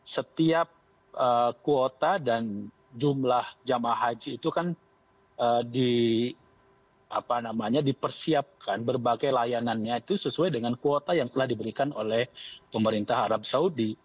setiap kuota dan jumlah jamaah haji itu kan dipersiapkan berbagai layanannya itu sesuai dengan kuota yang telah diberikan oleh pemerintah arab saudi